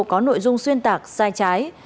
có nội dung xuyên tạc sai trái